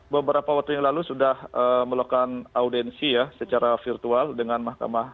beberapa waktu yang lalu sudah melakukan audensi ya secara virtual dengan mahkamah